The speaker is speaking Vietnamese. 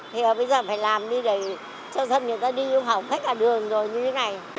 thì bây giờ phải làm đi để cho sân người ta đi không khách cả đường rồi như thế này